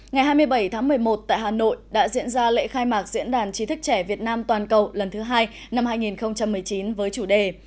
ngày hai mươi bảy tháng một mươi một tại hà nội đã diễn ra lễ khai mạc diễn đàn chí thức trẻ việt nam toàn cầu lần thứ hai năm hai nghìn một mươi chín với chủ đề